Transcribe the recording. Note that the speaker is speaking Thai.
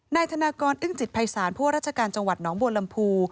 นายธนากรอึ้งจิตภัยสารพวกราชการจังหวัดหนองบวลลำพู